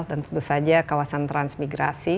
dan tentu saja kawasan transmigrasi